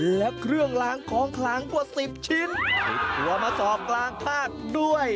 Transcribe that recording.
และเครื่องล้างของขลังกว่าสิบชิ้นติดตัวมาสอบกลางภาคด้วย